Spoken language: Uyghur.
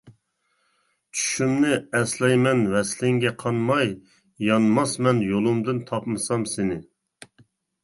چۈشۈمنى ئەسلەيمەن ۋەسلىڭگە قانماي، يانماسمەن يولۇمدىن تاپمىسام سىنى.